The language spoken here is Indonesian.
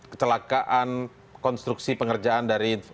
kecelakaan konstruksi pengerjaan dari